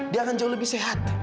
dia akan jauh lebih sehat